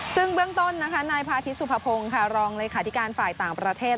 ซึ่งเบื้องต้นนะคะนายพาทิตสุภพงศ์ค่ะรองเลขาธิการฝ่ายต่างประเทศ